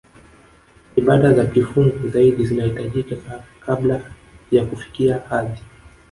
Ibada za kifungu zaidi zinahitajika kabla ya kufikia hadhi